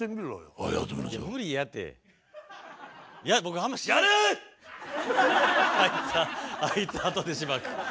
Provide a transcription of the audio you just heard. あいつはあいつあとでしばく。